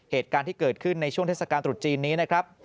เหตุการณ์ที่เกิดขึ้นในช่วงเทศกาลตรุษจีนนี้นะครับ